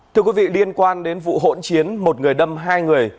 thưa quý vị liên quan đến vụ hỗn chiến một người đâm hai người